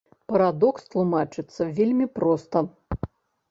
Парадокс тлумачыцца вельмі проста.